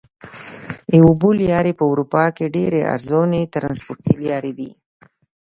د اوبو لارې په اروپا کې ډېرې ارزانه ترانسپورتي لارې دي.